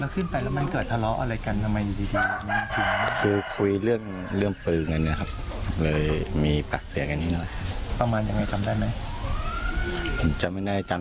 ก็เจาะมาที่ผมจะยีบผม